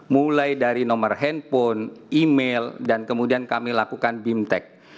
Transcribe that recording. mulai dari nomor handphone email dan kemudian kami lakukan bimtek